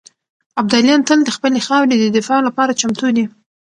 ابداليان تل د خپلې خاورې د دفاع لپاره چمتو دي.